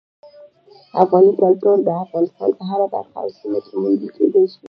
افغاني کلتور د افغانستان په هره برخه او سیمه کې موندل کېدی شي.